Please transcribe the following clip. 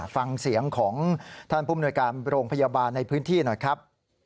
ฟังเสียงของท่านผู้มนวยการโรงพยาบาลในพื้นที่หน่อยครับ